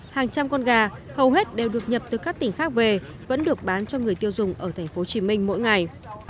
hàng trăm con gà hầu hết đều được nhập từ các tỉnh khác về vẫn được bán cho người tiêu dùng ở tp hcm mỗi ngày